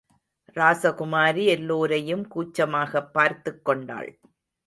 ராசகுமாரி எல்லோரையும் கூச்சமாகப் பார்த்துக் கொண்டாள்.